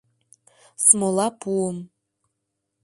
смола пуым